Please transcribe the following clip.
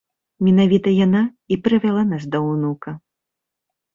Менавіта яна і прывяла да нас унука.